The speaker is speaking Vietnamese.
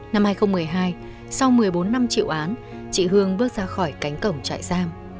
năm hai nghìn một mươi hai sau một mươi bốn năm chịu án chị hương bước ra khỏi cánh cổng trại giam